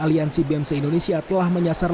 aliansi bem se indonesia telah menyasar